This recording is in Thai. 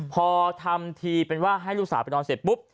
พอทำทีเป็นว่าให้ลูกสาวไปนอนเสร็จปุ๊บ